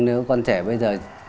nếu con trẻ bây giờ